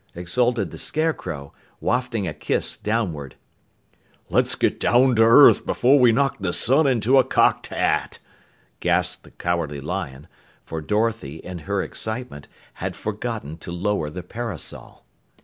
exulted the Scarecrow, wafting a kiss downward. "Let's get down to earth before we knock the sun into a cocked hat," gasped the Cowardly Lion, for Dorothy, in her excitement, had forgotten to lower the parasol.